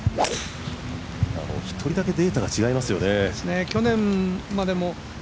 一人だけデータが違いますよね。